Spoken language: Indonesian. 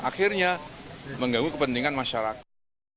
akhirnya mengganggu kepentingan masyarakat